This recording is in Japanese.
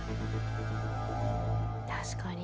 確かに。